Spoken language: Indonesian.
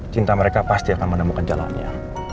cinta mereka pasti akan menemukan jalannya